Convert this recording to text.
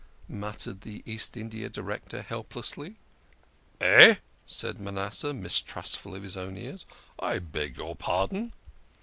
" muttered the East India Director helplessly. "Eh?" said Manasseh, mistrustful of his own ears. "I beg your pardon."